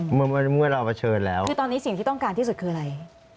เมื่อเราเผชิญแล้วคือตอนนี้สิ่งที่ต้องการที่สุดคืออะไร